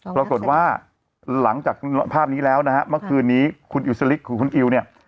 ปรากฏว่าหลังจากภาพนี้แล้วนะฮะเมื่อคืนนี้คุณอิวสลิกคือคุณอิวเนี่ย